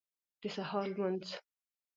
د سهار لمونځ